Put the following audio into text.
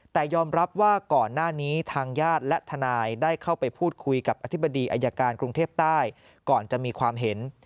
แต่ยอมรับว่าก่อนหน้านี้ทางญาติและทนายได้เข้าไปพูดคุยกับอธิบดีอายการกรุงเทพใต้ก่อนจะมีความเห็น